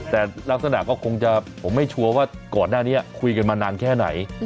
แต่ลักษณะก็คงจะผมไม่ชัวร์ว่าก่อนหน้านี้คุยกันมานานแค่ไหน